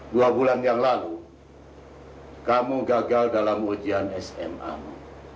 dua bulan yang lalu kamu gagal dalam ujian smamu